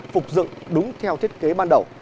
phục dựng đúng theo thiết kế ban đầu